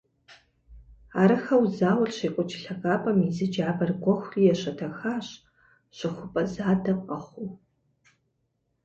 Арыххэу зауэр щекӏуэкӏ лъагапӏэм и зы джабэр гуэхури ещэтэхащ, щыхупӏэ задэ къэхъуу.